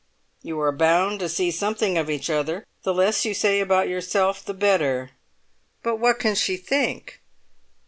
"You are bound to see something of each other; the less you say about yourself the better." "But what can she think?"